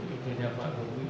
ijo nya pak romi